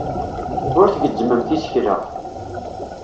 Ur tgezzmemt isekla.